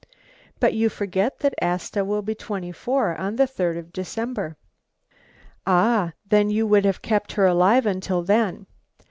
"But you forget that Asta will be twenty four on the third of December." "Ah, then you would have kept her alive until then."